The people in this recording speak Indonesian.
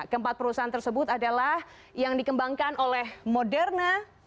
keempat perusahaan tersebut adalah yang dikembangkan oleh moderna